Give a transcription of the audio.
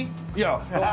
いや。